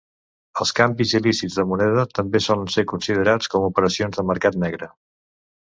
Els canvis il·lícits de moneda també solen ser considerats com operacions de mercat negre.